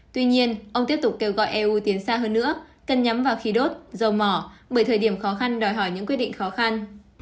tuy nhiên ông tiếp tục kêu gọi eu tiến xa hơn nữa cần nhắm vào khí đốt dầu mỏ bởi thời điểm khó khăn đòi hỏi những quyết định khó khăn